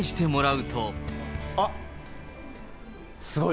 あっ、すごい。